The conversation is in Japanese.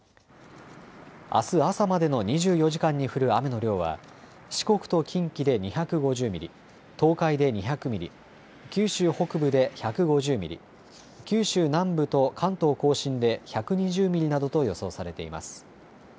あす朝までの２４時間に降る雨の量は四国と近畿で２５０ミリ、東海で２００ミリ、九州北部で１５０ミリ、九州南部と関東甲信で１２０ミリなどと予想されています。